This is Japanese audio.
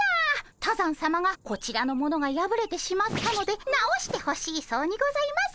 多山さまがこちらのものがやぶれてしまったので直してほしいそうにございます。